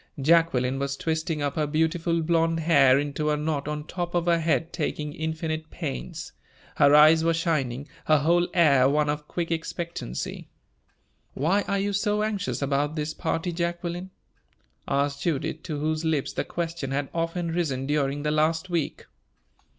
Jacqueline was twisting up her beautiful blonde hair into a knot on top of her head, taking infinite pains; her eyes were shining, her whole air one of quick expectancy. "Why are you so anxious about this party, Jacqueline?" asked Judith, to whose lips the question had often risen during the last week.